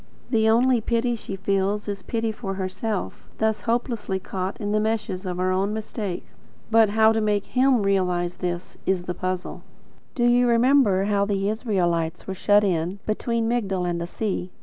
The only pity she feels is pity for herself, thus hopelessly caught in the meshes of her own mistake. But how to make him realise this, is the puzzle. Do you remember how the Israelites were shut in, between Migdol and the sea?